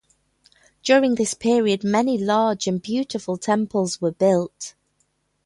During this period, many large and beautiful temples were built.